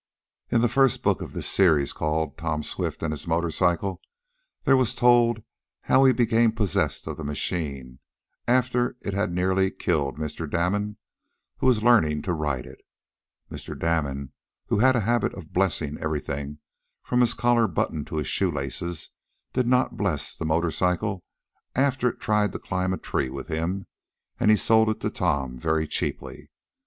In the first book of this series, called "Tom Swift and His Motor Cycle," there was told how he became possessed of the machine, after it had nearly killed Mr. Damon, who was learning to ride it. Mr. Damon, who had a habit of "blessing" everything from his collar button to his shoe laces, did not "bless" the motor cycle after it tried to climb a tree with him; and he sold it to Tom very cheaply.